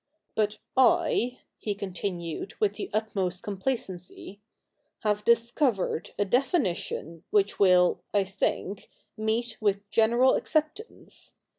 'But I,' he continued with the utmost complacency. 22 THE NEW REPUBLIC [bk. i ' have discovered a definition which will, I think, meet with general acceptance.